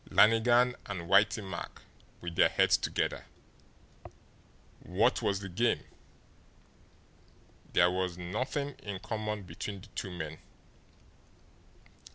Lannigan and Whitey Mack with their heads together! What was the game? There was nothing in common between the two men.